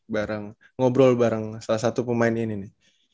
barang ngobrol bareng salah satu pemain ini